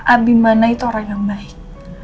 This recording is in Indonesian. abi mana itu orang yang baik